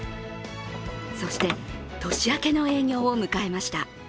そして年明けの営業を迎えました。